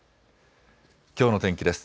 きょうの天気です。